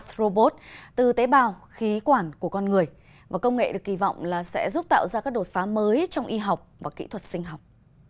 robot từ tế bào khí quản của con người và công nghệ được kỳ vọng là sẽ giúp tạo ra các đột phá mới trong y học và kỹ thuật sinh học